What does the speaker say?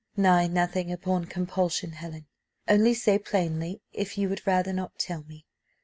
Nay nothing upon compulsion, Helen. Only say plainly, if you would rather not tell me.